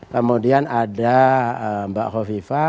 kemudian ada mbak khofifa